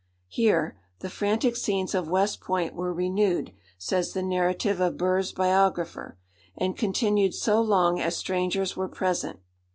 Here "the frantic scenes of West Point were renewed," says the narrative of Burr's biographer, "and continued so long as strangers were present.